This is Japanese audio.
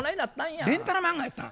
レンタル漫画やったん？